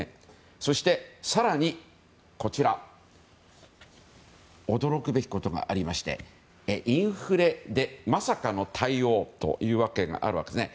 そして更に驚くべきことがありましてインフレでまさかの対応というわけがあるわけですね。